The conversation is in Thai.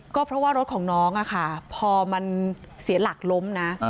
ก็เพราะว่ารถของน้องพอมันเสียหลักล้มนะ